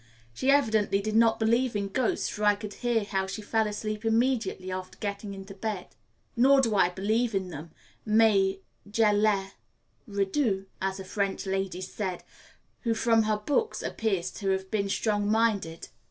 She evidently did not believe in ghosts, for I could hear how she fell asleep immediately after getting into bed; nor do I believe in them, "mais je les redoute," as a French lady said, who from her books appears to have been strongminded.